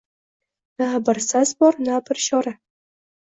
Na bir sas bor, na bir ishora